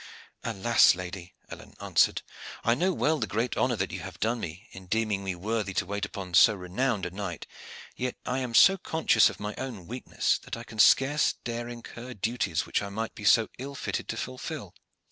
"Alas! lady," Alleyne answered, "I know well the great honor that you have done me in deeming me worthy to wait upon so renowned a knight, yet I am so conscious of my own weakness that I scarce dare incur duties which I might be so ill fitted to fulfil."